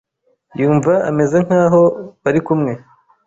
yumva ameze nk’aho bari kumwe.